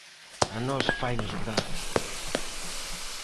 "A nós fainos graza".